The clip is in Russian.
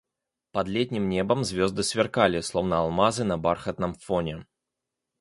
Под летним небом звезды сверкали, словно алмазы на бархатном фоне.